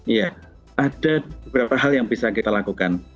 iya ada beberapa hal yang bisa kita lakukan